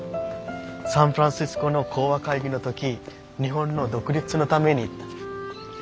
サンフランシスコの講和会議の時日本の独立のために言った。